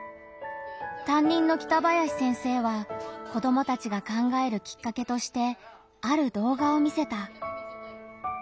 担任の北林先生は子どもたちが考えるきっかけとしてある動画を見せた。